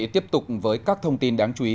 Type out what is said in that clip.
tiếp tục với các thông tin đáng chú ý